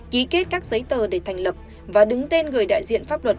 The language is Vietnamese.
ký kết các giấy tờ để thành lập và đứng tên người đại diện pháp luật